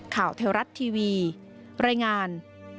ข่าวเทวรัฐทีวีรายงาน